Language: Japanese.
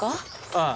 ああ。